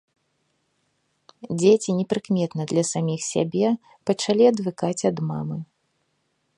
Дзеці непрыкметна для саміх сябе пачалі адвыкаць ад мамы.